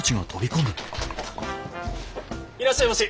いらっしゃいまし。